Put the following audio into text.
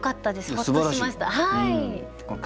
ほっとしました。